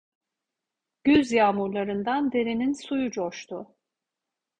Güz yağmurlarından derenin suyu coştu.